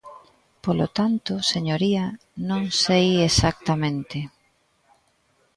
Polo tanto, señoría, non sei exactamente.